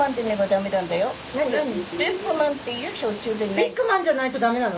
ビッグマンじゃないとだめなの？